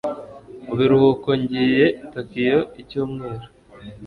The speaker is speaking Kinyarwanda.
Mu biruhuko, ngiye Tokiyo icyumweru.